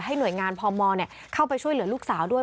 หน่วยงานพมเข้าไปช่วยเหลือลูกสาวด้วย